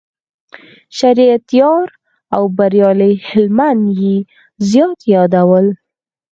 شریعت یار او بریالي هلمند یې زیات یادول.